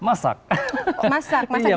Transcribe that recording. masak masak di pantai atau di gunung